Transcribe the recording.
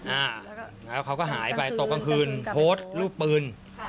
อ่าแล้วเขาก็หายไปตกกลางคืนโพสต์รูปปืน